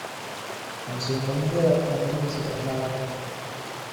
Con cinco años de edad, la familia se traslada a Roma.